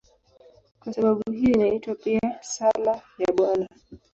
Kwa sababu hiyo inaitwa pia "Sala ya Bwana".